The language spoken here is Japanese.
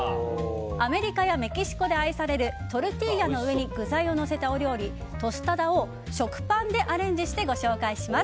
アメリカやメキシコで愛されるトルティーヤの上に具材をのせたお料理トスタダを食パンでアレンジしてご紹介します。